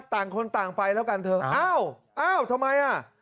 ต่างคนต่างไปแล้วกันเธออ้าวอ้าวทำไมอ่ะ